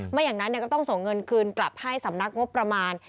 ไม่อย่างนั้นก็ต้องส่งเงินคืนกลับให้สำนักงบประมาณ